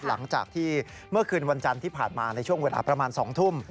หลังจากที่เมื่อคืนวันจันทร์ที่ผ่านมาในช่วงเวลาประมาณ๒ทุ่ม